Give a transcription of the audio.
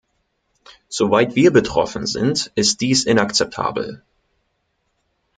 Soweit wir betroffen sind, ist dies inakzeptabel.